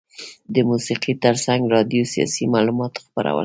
د موسیقي ترڅنګ راډیو سیاسي معلومات خپرول.